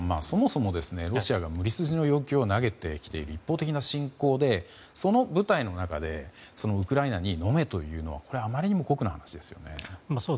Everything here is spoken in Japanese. そもそもロシアが無理筋の要求を投げてきている一方的な侵攻でその舞台の中でウクライナにのめというのはこれはあまりにも酷な話ですよね。